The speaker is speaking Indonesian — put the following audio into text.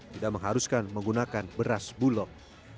tidak mengharuskan menggunakan beras bulog